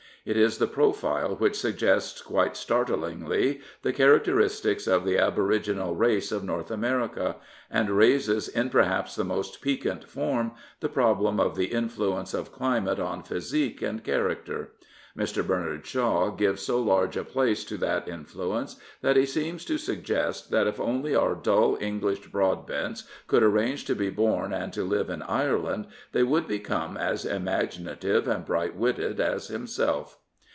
It is the profile which suggests quite start lingly the characteristics of the aboriginal race of North America, and raises in peffeps the most piquant form the problem of the influence of climate on physique and character. Mr. Bernard Shaw gives 80 large a place to that influence that he seems to 299 Prophets, Priests, and Kings suggest that if only our dull English Broadbents could arrange to be born and to live in Ireland they would become as imaginative and bright witted as himself.